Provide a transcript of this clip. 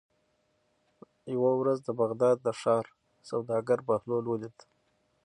یوه ورځ د بغداد د ښار سوداګر بهلول ولید.